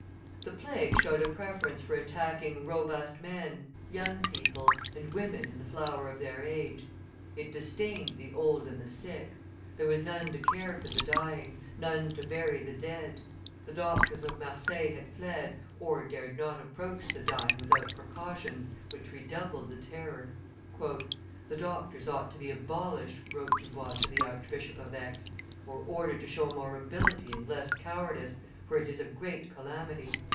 The plague showed a preference for attacking robust men, young people, and women in the flower of their age; it disdained the old and the sick; there was none to care for the dying, none to bury the dead. The doctors of Marseilles had fled, or dared not approach the dying without precautions, which redoubled the terror. "The doctors ought to be abolished," wrote Dubois to the Archbishop of Aix, "or ordered to show more ability and less cowardice, for it is a great calamity."